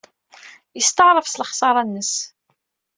Yesteɛṛef s lexṣara-nnes.